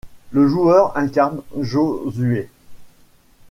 Le joueur incarne Josué.